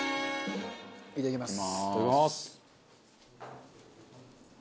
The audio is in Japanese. いただきます。